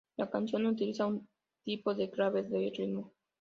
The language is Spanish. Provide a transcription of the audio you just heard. La canción utiliza un tipo de clave de ritmo.